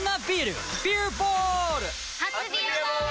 初「ビアボール」！